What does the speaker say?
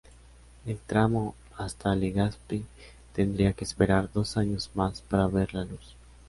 El tramo hasta Legazpi tendría que esperar dos años más para ver la luz.